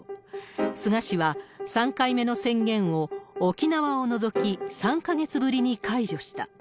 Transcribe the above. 菅氏は３回目の宣言を沖縄を除き、３か月ぶりに解除した。